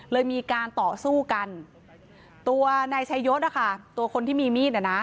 เลยมีการต่อสู้กันตัวนายชายศตัวคนที่มีมีด